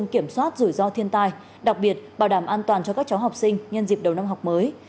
kiểm soát rủi ro thiên tai đặc biệt bảo đảm an toàn cho các cháu học sinh nhân dịp đầu năm học mới